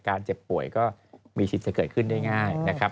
เจ็บป่วยก็มีสิทธิ์จะเกิดขึ้นได้ง่ายนะครับ